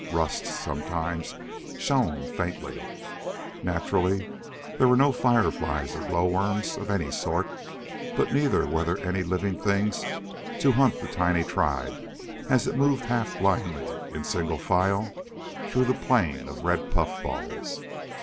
Rusts sometimes shone faintly. Naturally there were no fireflies or glow worms of any sort; but neither were there any living things to hunt the tiny tribe as it moved half blindly in single file through the plain of red puffballs.